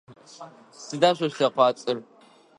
Сыда шъо шъулъэкъуацӏэр?